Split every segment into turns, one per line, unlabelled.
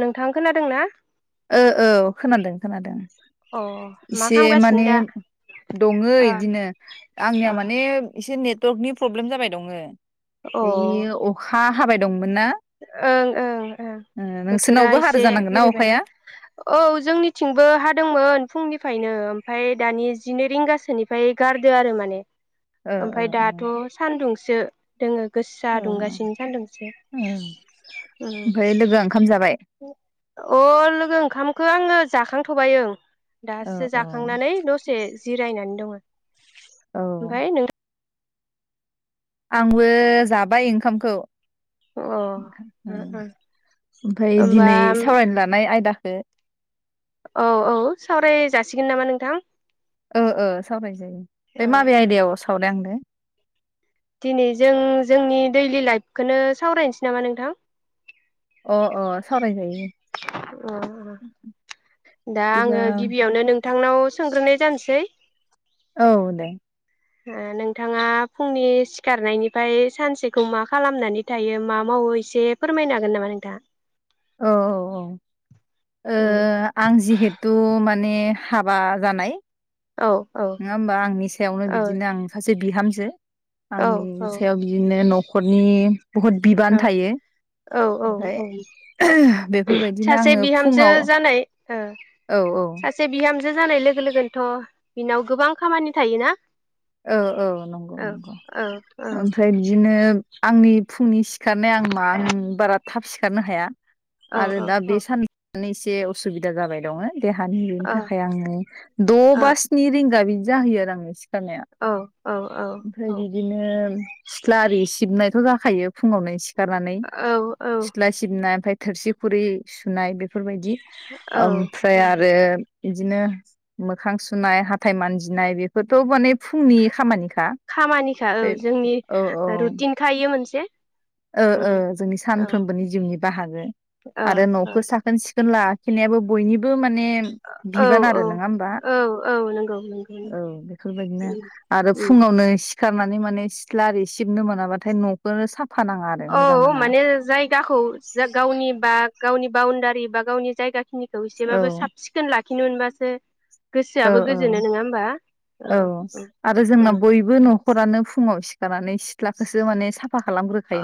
नोंथां खोनादों ना
ओ औ खोनादों खोनादों
अ मा
इसे
खालामगासिनो
माने
दा
दङ
अ
इदिनो आंनिया
अ
माने एसे नेट टवर्कनि प्रबेम जाबाय दङो ऐ अखा हाबाय दं
ओं ओं ओं
ओ
बोथोरा
नोंसोरनावबो हादो
एसे
जानांगोन
बोरैबा ना?
अखाया
औ जोंनिथिंबो हादोंमोन फुंनिफ्रायनो ओमफफ्राय दानि जिनै रिंगासोनिफ्राय गारदो आरो माने।
ओ
ओमफफ्राय दाथ
ओ
सान्दुंस जो दोङो गोसा दुंगासिनो [unintelligible]
ओम। ओमफ्राय लोगो ओंखाम जाबाय?
अ लोगो ओंखामखौ आङो जाखांथबाय ओं
औ
दासो
औ
जाखांनानै दसे जिरायनानै दङ।
औ
ओमफ्राय नों
आंबो जाबाय ओंखामखौ [unintelligible]
अ
ओमफ्राय दिनै
होमबा
सावरायनो लानाय आयदा बेे
औ औ सावराय जासिगोन नामा नोंथां
ओ ओ सावरायजायो
ओ
बे माबे
ओ
आयदायाव सावरायामोनलाय
दिनै जों जोंनि दैलि लाइफखौनो सावरायनोसै नामा नोंथां
अ अ सावरायजायो
अ दा
बिदिबा
आङो गिबियावनो नों नोंथांनाव सोंग्रोनाय जानोसै
औ दे
ओ नोंथाङा फुंनि सिखारनायनिफ्राय सानसेखौ मा खालामनानै थायो मा मावो एसे फोरमायनो हागोन नामा नोंथाङा
औ औ औ ओ
उम
आं जिहेथु माने हाबा जानाय
औ औ
नङा होमबा आंनि सायावनो
औ
बिदिनो आं सा बे बिहामजो आंनि
औ
सायाव बिदिनो नख नखरनि बहुद बिबान
औ
थायो
औ औ
ओमफ्राय
औ
बेफोरबायदिनो
सासे
आङो
बिहामजो
फुङाव
जानाय
औ औ
जो जानाय लोगो लोगोनोथ बिनाव गोबां खामानि थायोना
औ औ नंगौ
औ
नंगौ
औ औ
ओमफ्राय बिदिनो आंनि फुंनि सि ओंखारनो आं मा आं बारा थाब सि सिखारनो हाया
औ
आरो
औ
दा
औ
बे सान माने एसे असुबिदा जाबाय दङो देहानि
औ
थाखाय आङो द
औ
बा स्नि रिंगा बिदि जाहैयो आरो आङो सिखारनाय ओमफ्राय
औ औ
बिदिनो सिथ्ला आरि सिबनायथ जाखायो फुङावनो सि सिखारनानै
औ औ
सिथ्ला सिबना ओमफ्राय थोरसि खुरै सुनाय बेफोरबायदि
औ
ओमफ्राय
औ
आरो बिदिनो मोखां सुनाय हाथाइ मानजिनाय बेफोरथ माने फुंनि खामानिखा
खामानिखा औ
बे
जोंनि
औ औ
रुटिनखा इयो मोनसे
ओ ओ
उम
जोंनि
औ
सानफ्रोमबोनि जिउनि बाहागो
औ
आरो
औ
नखौ साखोन सिखोन ला जोंनाबो बयनि बो माने
औ
बिबान आरो नोङा होमबा
औ औ औ नंगौ नंगौ
औ बेफोरबायदिनो
उम
आरो
उम
फुङावनो सि सिखारनानै माने सिथ्ला आरि सिबनो मोनाबाथाय न'खौनो साफ
औ माने जायगाखौ जा गावनि बा गावनि बाउन्दारि बा गावनि जायगाखि निखौ
औ
एसेबाबो साब सिखोन लाखि खिनुनबासो
ओ ओ औ आरो जोंना
उम
बयबो न' हरानो फुङाव सिखारनानै सिथ्लाखौसो माने साफ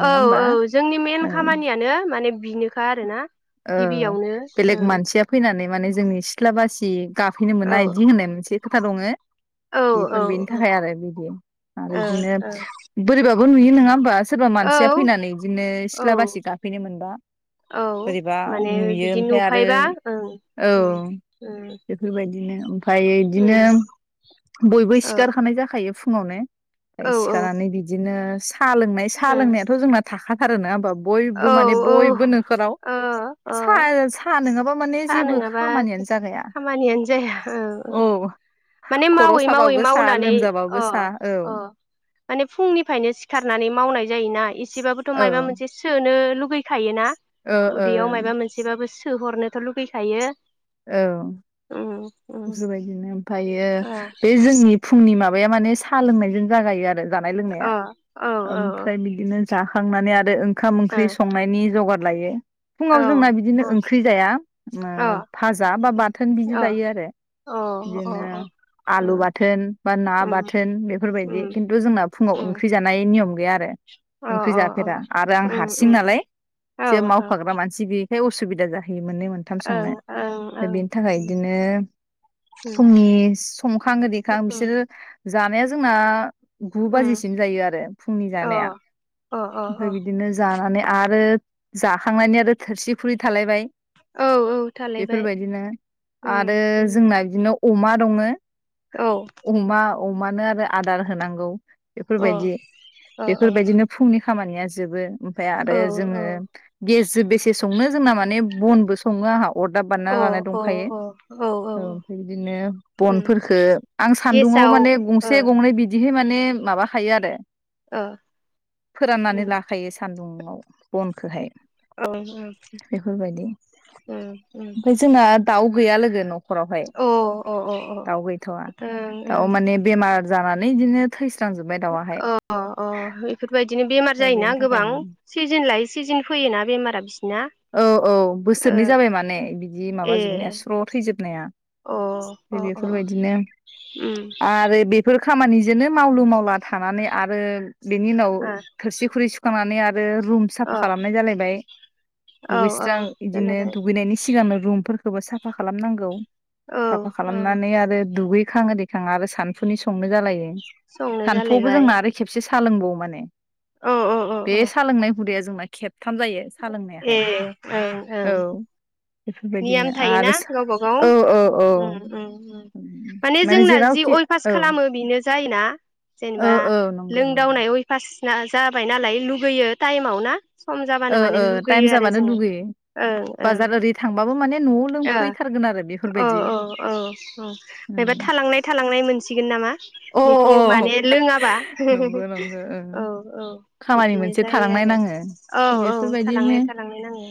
औ औ जोंनि मेन
ओ
खामानियानो माने बिनोखा आरोना
ओ
गिबियावनो
बेलेग
ओं
मानसिया फैनानै माने जोंनि सिथ्ला बासि गा फैनो
औ
मोना इदि होननाय मोनसे खोथा दङो
औ
बेफोर बेनि
औ
थाखाय आरो बिदि आरो इदिनो
औ
बोरैबाब नुयो नङा होमबास सोरबा मानसिया
ओ
फैनानै इदिनो
ओ औ
सिथ्ला बासि गाफैनो मोनबा
औ
बोरैबा
माने
नुयो
बिदि
ओमफ्राय आरो
नुफायबा ओं
औ
उम उम
बिदिनो औ ओमफय इदिनो
उम
बयबो
ओ
सिखारखानाय जाखायो फु फुङावनो
औ
ओमफाय
औ
सिखारानानै बिदिनो सा लोंनाय सा
उम
लोंनायाथ' जोंना थाखाथारो नङा होमबा
औ
बयबो माने बयबो नोखोराव
ओ ओ
सा साहा नङाबा माने
साहा
जेबो
नङाबा
खामानियानो जागाया
खामानियानो जाया ओ ओ
औ
माने
खर'
मावै मावै
साबाबो साहा
मावनानै
लोमजाबाबो
अ
साहा
अ
औ
माने फुंनिफ्रायनो सिखारनानै मावनाय जायोना इस इसेबाबोथ
औ
मायोबा मोनसे [unintelligible] नो लुगैखायो ना
ओ
उदैयाव मायाबा मोनसेबाबो सोहरनो थ लुगैखायो
औ
उम उम
जुबायदिनो ओमफायो
ओ
बे जोंनि फुंनि माबाया माने साहा लोंनायजों जागायो आरो जानाय लोंनाया
अ औ
ओमफ्राय बिदिनो जाखांनानै आरो ओंखाम ओंख्रि संनायनि जगार लायो फुङाव
ओ
जोंना बिदिनो
औ उम
ओंख्रि जाया जोङो
अ उम
जाबा बाथोन
अ
बिदि जायो आरो
अ
बिदिनो
अ अ
आलु
उम
बाथोन बा ना
उम
बाथोन बेफोरबायदि
उम
खिनथु जोंना फुंङाव
उम
ओंख्रि जानाय नियम गैया
अ
ओंख्रि
अ
जाफेरा आरो आं
उम
हारसिं
उम
नालाय
औ
जे
औ
मावफाग्रा मानसि बे बे उसुबिदा जायो मोननै मोनथाम
ओं
संनाय
ओं ओं
बेनि थाखाय बिदिनो
उम
फुंनि संखां ओरिखां
उम
बिसोरो जानाया जोंना गु
उम
बाजिसिम जायो आरो फुंनि
अ
जानाया
अ अ
ओमफ्राय बिदिनो जानानै आरो जाखांनानै आरो थोरसि खुरि थालायबाय
औ औ थालायबाय
बेफोरबायदिनो
उम
आरो
उम
जोंना बिदिनो अमा दङो
औ
अमा अमानो आरो आदार होनांगौ
अ
बेफोरबायदि
अ अ
बेफोरबायदिनो फुंनि खामानिया जोबो ओमफाय आरो
औ
जोङो गेसजों बेसे संनो जोंना माने बनबो सङो आंहा अरदाब बानायना लानाय
अ अ
दंखायो औ बेबादिनो
उम
बनफोरखो आं सान्दुङाव
गेसाव
माने
ओ
गंसे गंनै बिदि बे माने माबाखायो आरो
ओ
फोराननानै
उम
लाखायो सान्दुंङाव नाव बनखौहाय
औ उम
बेफोरबायदि
उम उम
ओमफाय जोंना दाउ गैया लोगो नख नखरावहाय
अ ओं ओं
दाउ गैथवा दाउ माने बेमार जानानै इदिनो थैस
अ अ बेफोरबायदिनो बेमार
ओमफ्राय
जायोना
बेनि
गोबां
थाखायनो
सिजोन लायै सिजोन फैयोना बेमारा बिसोरना
औ औ बोसोरनै जाबाय माने बिदि
ए
माबाजोबनाया स्र थैजोबनाया
अ अ अ अ
बेफोरबायदिनो
उम
आरो बे फोर खामानिजोंनो मावलु मावला थानानै आरो बेनि उनाव
ओ
थोरसि खुरै सु खोमानि आर आरो रुम
अ
साफा खालामनाय जालायबाय
औ औ
दुगैस्रां इदिनो
जालायबाय
दुगैनायनि सि सिगांनो रुमफोरखोबो साफा खालामनांगौ
औ
साफा
औ
खालामनानै आरो दुगै खाङो दैखां आरो सानफुनि संनो जालायो
संनो
सानफौआवबो
जालायबाय
जोंना आरो खेबसे सा लोंबावो माने
औ औ औ
बे
औ
सालोंनाय हुदाया जोंना खेब खाम जायो सा लोंनाया
ए - औ - औ
बेफोरबायदिनो आरो - सा - औ - औ - औ
उम उम उम
- माने
जोंना जि
जेरावखि
अयभास
- औ
खालामो बेनो जायोना
औ
जेनेबा
औ नंगौ नंगौ
लोंदावनाय अयभास ना जाबाय नालाय लुगैयो टाइमाव ना सम जाबानो
ओ
माने
ओ टाइम
लुगैयो आरो
जाबानो
जोङो
लुगैयो
ओं ओं
बाजार ओरै थांबाबो माने न'आव लोंफैथारगोन आरो
ओ- औ - औ
बेफोरबायदि
- औ - उम- मायबा थालांनाय थालांनाय मोनसिगोन नामा
अ
बेखौ माने लोङाबा
नंगौ नंगौ ओं
औ - औ-
खामानि
बिदिनो
मोनसे
जायो
थालांनाय
आरो
नाङो
औ- औ -
बेफोरबायदिनो
थालांनाय थालांनाय नाङो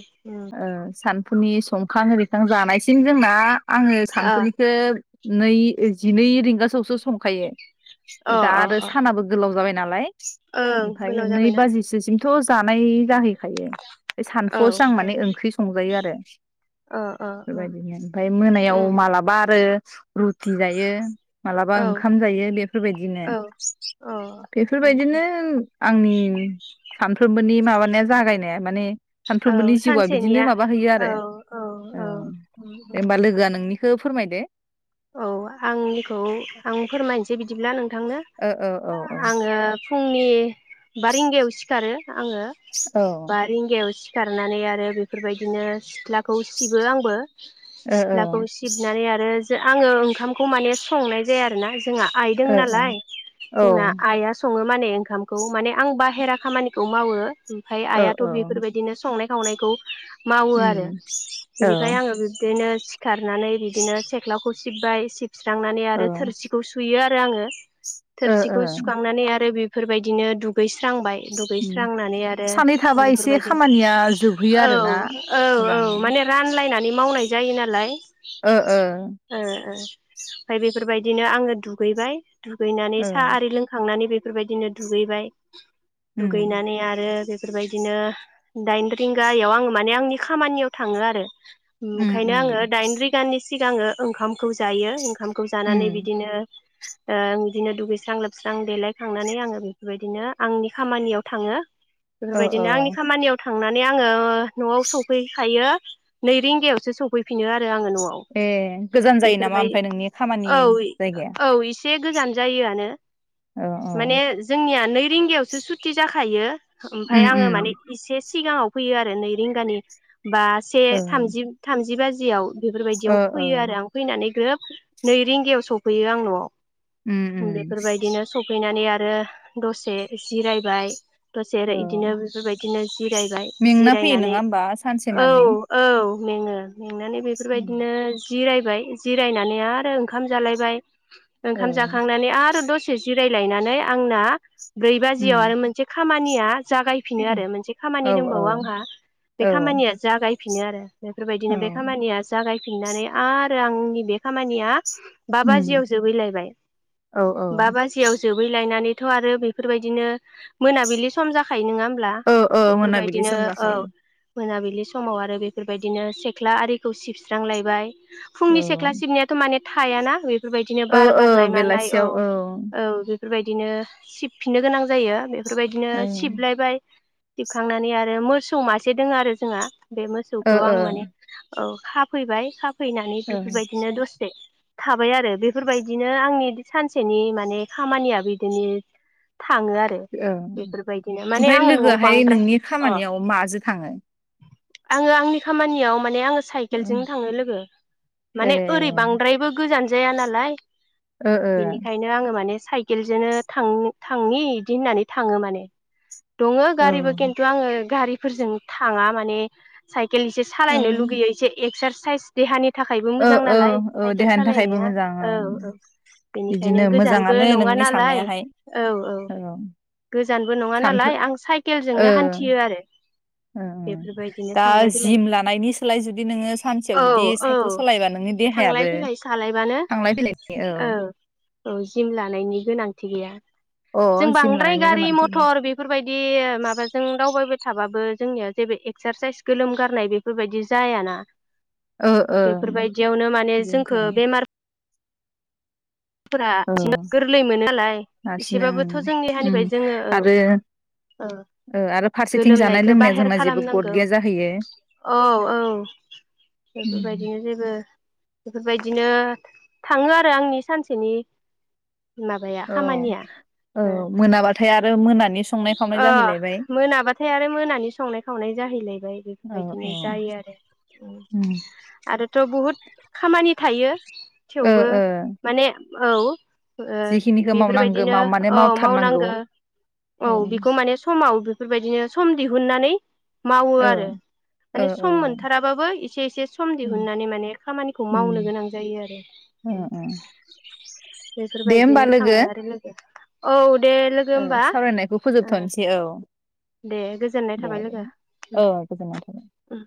फुनि सम खां ओरिखां जानायसिम जोंना आङो
अ
सानफुनिखो नै जिनै रिंगासोआवसो सङो फायो
अ
दा
अ
आरो
अ
सानाबो गोलाव जाबाय नालाय
ओं
ओमफाय
गोलाव
नै
जाबायना
बाजिसोसिम थजानाय जाहै खायो बे
औ
सानफुआवसो आं माने ओंख्रि संजायो आरो
अ अ अ
बेबायदिनो ओमफाय मोनायाव
उम
मालाबा आरो रुटि जायो मालाबा
औ
ओंख खाम जायो बेफोरबायदिनो
औ औ
बेफोरबायदिनो आंनि सानफ्रोमबो नि माबानाया जागायनाया माने
औ
सानफ्रोमबोनि जिउआ बिदिनो
सानसेनिया
माबा हैयो
औ
आरो
औ
ओ
औ
जेनेबा लोगोआ नोंनि खो फोरमायदो।
औ आंनिखौ आं फोरमायनोसै बिदिब्ला नों थांनो
ओ ओ औ
आङो फुंनि बा रिंगायाव सिखारो आङो बा रिंगायाव सि खारनानै आरो बेफोरबायदिनो सिथ्ला खौ सिबो आंबो
औ ओ
सिथ्लाखौ
ओ
सिबनानै आरो आङो ओंखामखौ माने संनाय जाया आरोना जोंहा आइ दों नालाय
ओ
जोंना आइआ सङो माने ओंखामखौ माने आं बाहेरा खामानिखौ मावो। ओमफाय
औ ओ
आइथ‌
औ
बेफोरबायदिनो संनाय सावनायखौ मावो आरो
उम औ
बिनिखायनो आङो बिबदिनो खारनानै बिदिनो सेथ लाखौ सिबबाय सिब स्रांनानै
औ
आरो थोरसिखौ सुयो आरो आङो
ओ ओ
थोरसिखौ सुखांनानै आरो बे बेफोरबायदिनो दुगै स्रांबाय
उम
दुगैस्रांनानै आरो
सानै
आं
थाबा एसे
बेफोरबायदि
खामानिया जोबहैयो
औ
आरोना
औ औ
मोजांनो
माने रानलायनानै मावनाय जायो नालाय।
ओ ओ
ओ ओ मफाय बे बेफोरबायदिनो आङो दुगैबाय। दुगैनानै
ओ
साह आरि लोंखांनानै बेफो फोरबायदिनो दुगैबाय।
उम
दुगैनानै आरो बेफ फोरबायदिनो दाइन रिंगायाव आङो माने आंनि खामानियाव थाङो आरो
उम
ओंखायनो आङो
उम
दाइन रिगानि सि सिगाङो ओंखाम खौ जायो ओंखामखौ
उम
जानानै बिदिनो ओ बिदिनो दुगैस्रां लोबस्रां देलायखांनानै आङो बेफोरबायदिनो आंनि खामानियाव थाङो।
औ औ
बेफोरबायदिनो आंनि खामानियाव थां थांनानै आङो नआव सफैखायो नै रिंगायावसो सफैफिनो आरो आं नआव [unintelligible]
ए गोजान जायो नामा
बेफोरबाय
ओमफ्राय नोंनि खामानि
औ
जायगाया
औ एसे गोजान जायोआनो
औ औ
माने जोंनिया नै रिंगायावसो सुटि जाखायो ओमफाय
उम
आङो
उम
माने एसे सिगाङाव फैयो आरो नैरिंगानि बा से
औ
थामजि थामजिबाजि जेयाव [unintelligible]
ओ
बेफोरबायदियाव
ओ
फैयो आरो आं फैनानै ग्रोब नै रिंगायाव सफैयो आंनआव
उम उम
बेफोरबायदिनो सफैनानै आरो दसे जिरायबाय
औ
दसेरो इदिनो बेफोरबायदिनो जिरायबाय
मेंना फैयो
जिरायनानै
नङा होमबा
औ
सानसेमानि
औ मेङो मेंनानै
उम
बेफोरबायदिनो जिरायबाय जिरायनानै आरो ओंखाम जालायबाय
औ
ओंखाम जाखांनानै आरो दसे जि जिरायलायनानै आंना ब्रै बाजियाव आरो
उम
मोनसे खामानि दनिया [unintelligible] जागायफिनो आरो मोनसे
औ
खामानि दंबावो आंहा बे
औ
खामानिया जागायफिनो आरो
औ
बेफोरबायदिनो बे खामानिया जागायफिननानै आरो आंनि बे खामानिया बा बाजियाव
उम
जोबैलायबाय
औ
बा बाजियाव जोबैलायनानै थ आरो बेफोरबायदिनो मोनाबिलि सम जाखायो नोङा
ओ ओ मोनाबिलि समजाखायो
मोनाबिलि समाव आरो बेफोरबायदिनो सेख्ला आरिखौ सिबस्रांलायबाय
औ
फुंनि सेख्ला सिबनायाथ माने थायाना बे बेफोरबायदिनो
औ
बार
औ
बारनाय मानाय औ
बेलासियाव
औ बेफोरबायदिनो सिबफिननो गोनां जायो बे बेफोरबायदिनो
औ
सिबलायबाय दिखांनानै आरो मोसौ मासे दङ आरो जोंहा बे
ओ
मोसौखौ आं माने औ खाफैबाय खा फैनानै
ओ
बेफोरबायदिनो दसे थाबाय आरो बेफोरबायदिनो आंनि सानसेनि माने खामानिया बिदिनो थाङो आरो
औ
बेफोरबायदिनो माने
ओमफ्राय
आङो न'आव
लोगोआहाय
बांद्राय
नोंनि
अ
खामानियाव माजों थाङो
आङो आंनि खामानियाव माने आङो
ओ,
साइकेलजों थाङो लोगो
ए
माने ओरै बांद्रायबो गोजान जाया नालाय
ओ ओ
बेनिखायनो आङो माने साइकेलजोंनो थां थांनि बिदि होननानै थाङो माने दङ
औ
गारिबो खिन्थु आङो गारि फोरजों थाङा माने साइ [unintelligible] एसे सालायनो लुगैयो
औ
एसे एक्सारस [unintelligible] देहानि थाखायबो
औ
मोजां
औ
नालाय
औ
साइकेल
देहानि थाखायबो
सालायनाया
मोजां
औ
ओं
औ बेनिखायनो
बिदिनो
गोजानबो
मोजाङानो
नङा
नोंनि
नालाय
साननायाहाय
औ औ गोजानबो नङा
सानफ्रो
नालाय आं साइकेलजोंनो हान्थियो आरो
ओम ओम
बेफोरबायदिनो
दा
थांलाय फैलाय
जिम लानायनि सोलाय जुदि नोङो सानसे
औ
बिदि
औ
साइकेल सालायोबा नोंनि
थांलाय
देहायाबो
फैलाय सालायबानो
थांलाय फैलायनि औ
औ जिम लानायनि गोनांथि गैया जों
अ जिम
बांद्राय
लानायनि
गारि
गोनांथि गैया।
मथर बेफोरबायदि माबाजों दावबायबाय थाबाबो जोंनिया जेबो एक्सारसाइस गोलोम गारनाय बेफोरबायदि जायाना
ओ ओ
बेफोरबायदियावनो माने
बिदिनोथ'
जोंखौ बेमार फोरा
औ
बि गोरलै मोनो नालाय
हारसिंनो
एसेबाबोथ जोंनि
ओं
हानिबाय
उम
जोङो औ
आरो
औ
ओ आरो फारसेथिं जानाय
गोलोमनायखौ
लोंनाया
बाहेर
जोंना जेबो गद
खालामनांगौ
गैया जाहैयो
औ औ बेफोरबायदिनो जेबो बेफोरबायदिनो थाङो आरो आंनि सानसेनि माबाया
औ
खामानिया
औ मोनाबा नाथाय आरो मोनानि संनाय खावनाय
अ
जाहैलायबाय
मोनाबाथाय आरो मोनानि संनाय खावनाय जाहैलायबाय
औ औ
बेफोरबायदिनो जायो आरो ओम
उम
आरोथ' बहुद खामानि थायो
ओ
थेवबो
ओ
माने औ ओ
जिखिनिखौ मावनांगौ
बेफोरबायदिनो
माव माने
औ
मावथारनांगौ
मावनांगौ औ बेखौ माने समाव बेफोरबायदिनो सम दिहुनानानै मावो
औ
आरो
औ
माने
औ
सम मोनथाराबाबो एसे एसे सम
उम
दिहुननानै माने खामानिखौ
उम
मावनो गोनां जायो आरो
ओं ओं दे होमबा
बेफोरबायदिनो
लोगो
थाङो आरो लोगो औ दे लोगो
ओ
होमबा
सावरायनायखौ फोजोबथनोसै औ
दे गोजोननाय
दे
थाबाय
दे
लोगो उम
औ गोजोननाय थाबाय
उम